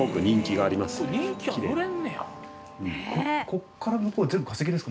ここから向こうは全部化石ですか？